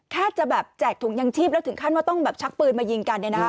แค่จะแบบแจกถุงยังชีพแล้วถึงขั้นว่าต้องแบบชักปืนมายิงกันเนี่ยนะคะ